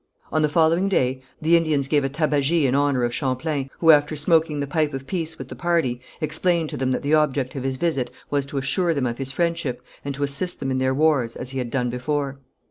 On the following day the Indians gave a tabagie in honour of Champlain, who after smoking the pipe of peace with the party, explained to them that the object of his visit was to assure them of his friendship, and to assist them in their wars, as he had done before.